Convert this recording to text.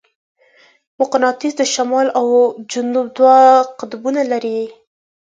مقناطیس د شمال او جنوب دوه قطبونه لري.